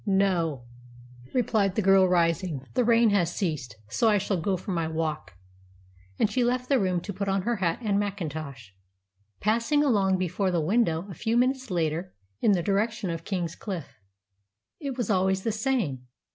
"No," replied the girl, rising. "The rain has ceased, so I shall go for my walk;" and she left the room to put on her hat and mackintosh, passing along before the window a few minutes later in the direction of King's Cliffe. It was always the same.